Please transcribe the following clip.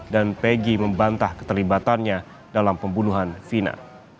dan peggy membantah keterlibatannya dalam pembunuhan vina